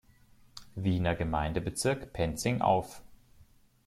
Wiener Gemeindebezirk Penzing auf.